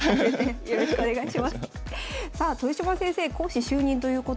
よろしくお願いします。